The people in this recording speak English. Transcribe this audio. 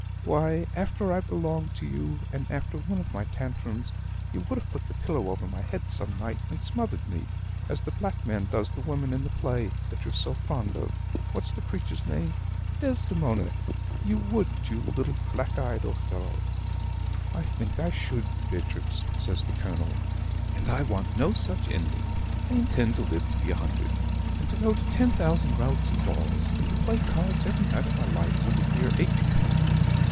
Why, after I belonged to you, and after one of my tantrums, you would have put the pillow over my head some night, and smothered me, as the black man does the woman in the play that you're so fond of. What's the creature's name? Desdemona. You would, you little black dyed Othello!" "I think I should, Beatrix," says the Colonel. "And I want no such ending. I intend to live to be a hundred, and to go to ten thousand routs and balls, and to play cards every night of my life till the year eighteen hundred.